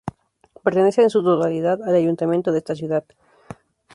Pertenece en su totalidad al ayuntamiento de esta ciudad.